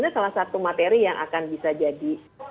ini salah satu materi yang akan bisa jadi